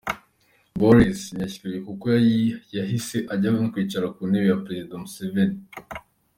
Boris ntiyashizwe kuko yahise ajya no kwicara ku ntebe ya perezida Museveni.